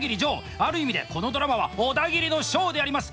ある意味でこのドラマはオダギリのショーであります。